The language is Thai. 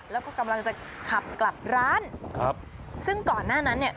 แล้วก็กำลังจะขับกลับร้านครับซึ่งก่อนหน้านั้นเนี่ย